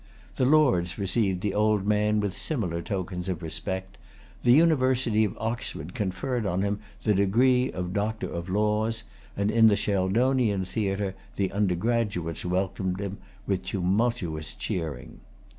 The Lords received the old man with similar tokens of respect. The University of Oxford conferred on him the degree of Doctor of Laws; and, in the Sheldonian Theatre, the undergraduates welcomed him with tumultuous cheering.